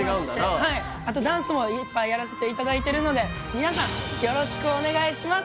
はいあとダンスもいっぱいやらせていただいているので皆さんお願いします